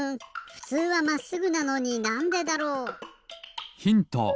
ふつうはまっすぐなのになんでだろう？ヒント！